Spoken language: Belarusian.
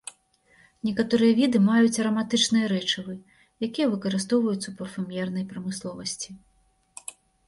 Некаторыя віды маюць араматычныя рэчывы, якія выкарыстоўваюцца ў парфумернай прамысловасці.